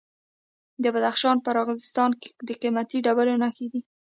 د بدخشان په راغستان کې د قیمتي ډبرو نښې دي.